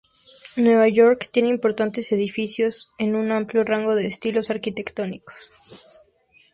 Nueva York tiene importantes edificios en un amplio rango de estilos arquitectónicos.